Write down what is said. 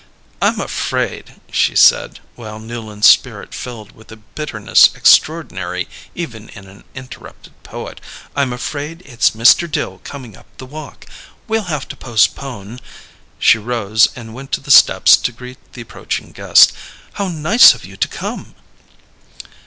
"I'm afraid," she said, while Newland's spirit filled with a bitterness extraordinary even in an interrupted poet; "I'm afraid it's Mr. Dill coming up the walk. We'll have to postpone " She rose and went to the steps to greet the approaching guest. "How nice of you to come!"